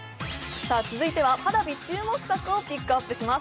続いてはＰａｒａｖｉ注目作を紹介します。